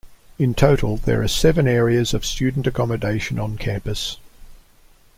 In total there are seven areas of student accommodation on campus.